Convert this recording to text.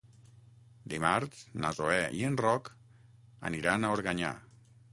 Dimarts na Zoè i en Roc aniran a Organyà.